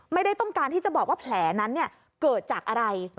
ไม่ได้ต้องการที่จะบอกว่าแผลนั้นเกิดจากอะไร